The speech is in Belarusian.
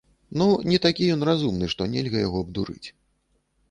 Ну, не такі ён разумны, што нельга яго абдурыць.